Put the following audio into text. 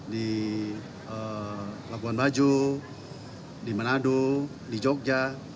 di labuan bajo di manado di jogja